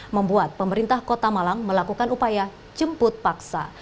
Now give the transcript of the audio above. membuat pemerintah kota malang melakukan upaya jemput paksa